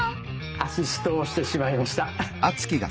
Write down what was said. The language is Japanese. アシストをしてしまいました。